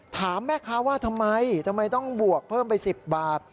ถามแม่ค้าว่าทำไมทำไมต้องบวกเพิ่มไป๑๐บาท